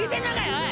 おい！